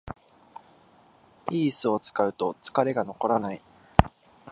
良いイスを使うと疲れが残らない